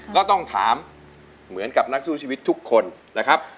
ก็ต้องถามเหมือนกับนักสู้ชีวิตทุกคนนะครับ